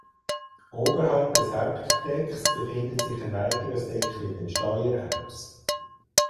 Oberhalb des Hauptdecks befindet sich ein weiteres Deck mit dem Steuerhaus.